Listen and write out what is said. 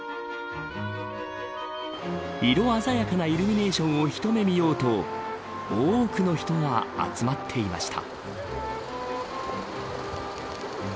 色鮮やかなイルミネーションを一目見ようと多くの人が集まっていました。